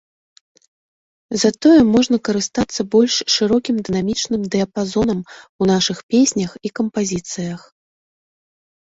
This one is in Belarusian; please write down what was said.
Затое можна карыстацца больш шырокім дынамічным дыяпазонам у нашых песнях і кампазіцыях.